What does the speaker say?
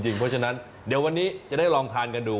เพราะฉะนั้นเดี๋ยววันนี้จะได้ลองทานกันดู